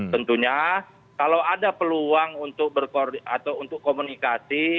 tentunya kalau ada peluang untuk komunikasi